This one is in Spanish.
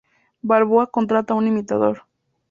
Balboa contrata a un imitador.